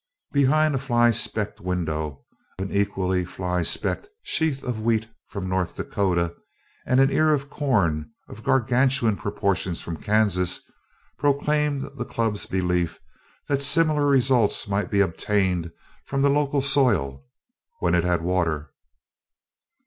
Behind a fly specked window an equally fly specked sheaf of wheat from North Dakota, and an ear of corn of gargantuan proportions from Kansas, proclaimed the Club's belief that similar results might be obtained from the local soil when it had water.